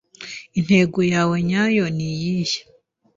Intego yawe nyayo ni iyihe?